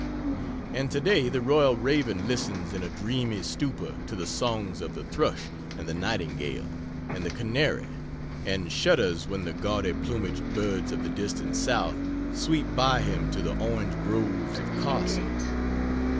and today the royal Raven listens in a dreamy stupor to the songs of the thrush and the nightingale and the canary and shudders when the gaudy plumaged birds of the distant South sweep by him to the orange groves of Carson.